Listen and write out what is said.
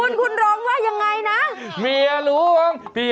ลืมด้วยล้องเล่นนี่